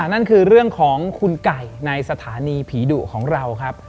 นั่นคือเรื่องของคุณไก่ในสถานีผีดุของเราครับ